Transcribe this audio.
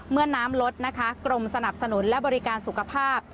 เมื่อน้ำลดนะคะกรมสนับสนุนและบริการสุขภาพ